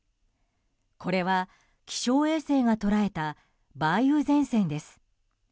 これは気象衛星が捉えた梅雨前線です。